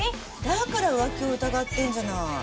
だから浮気を疑ってんじゃない。